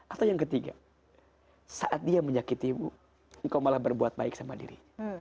atau yang ketiga saat dia menyakiti ibu engkau malah berbuat baik sama diri